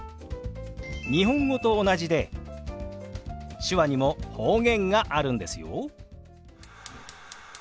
日本語と同じで手話にも方言があるんですよ。